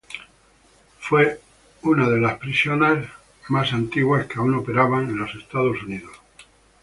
Fue una de las prisiones más antiguas que aún operaban en los Estados Unidos.